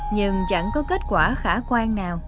nhưng chẳng có kết quả khả quả